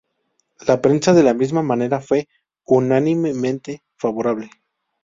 La prensa de la misma manera fue unánimemente favorable.